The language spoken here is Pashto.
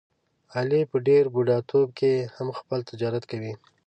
علي په ډېر بوډاتوب کې هم خپل تجارت کوي.